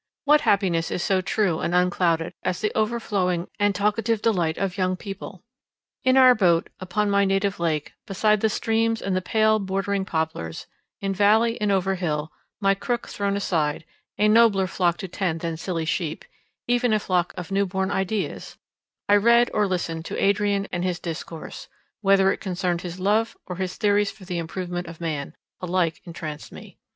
What happiness is so true and unclouded, as the overflowing and talkative delight of young people. In our boat, upon my native lake, beside the streams and the pale bordering poplars—in valley and over hill, my crook thrown aside, a nobler flock to tend than silly sheep, even a flock of new born ideas, I read or listened to Adrian; and his discourse, whether it concerned his love or his theories for the improvement of man, alike entranced me.